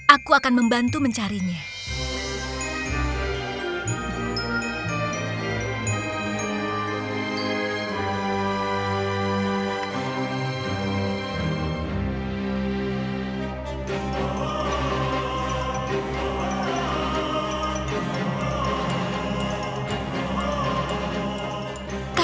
aku akan membantu mencarinya